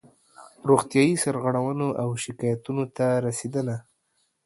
روغتیایي سرغړونو او شکایاتونو ته رسېدنه